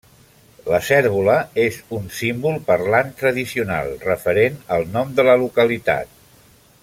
La cérvola és un símbol parlant tradicional, referent al nom de la localitat.